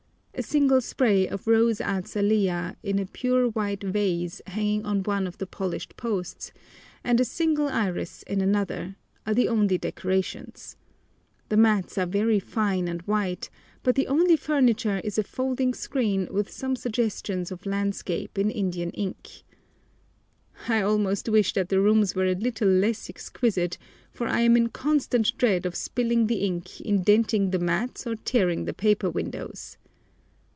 A single spray of rose azalea in a pure white vase hanging on one of the polished posts, and a single iris in another, are the only decorations. The mats are very fine and white, but the only furniture is a folding screen with some suggestions of landscape in Indian ink. I almost wish that the rooms were a little less exquisite, for I am in constant dread of spilling the ink, indenting the mats, or tearing the paper windows.